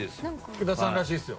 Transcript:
福田さんらしいですよ。